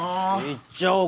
言っちゃおう